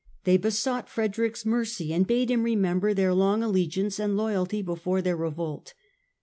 They besought Frederick's mercy and bade him remember their long allegiance and loyalty before their revolt.